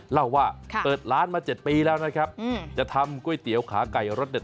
เล่าว่าเปิดร้านมา๗ปีแล้วนะครับจะทำก๋วยเตี๋ยวขาไก่รสเด็ด